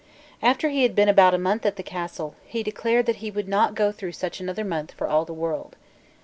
After he had been about a month at the Castle, he declared that he would not go through such another month for all the world.